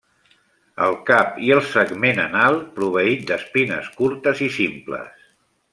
El cap i el segment anal proveït d'espines curtes i simples.